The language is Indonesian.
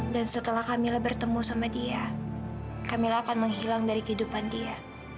dan setelah kamila bertemu sama dia kamila akan menghilang dari kehidupan dia